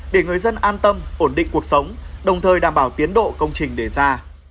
để người dân an tâm ổn định cuộc sống đồng thời đảm bảo tiến độ công trình đề ra